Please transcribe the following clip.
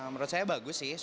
menurut saya bagus sih